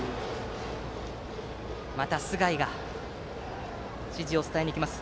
また須貝が指示を伝えに行きます。